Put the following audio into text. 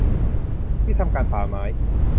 ที่ทำการป่าไม้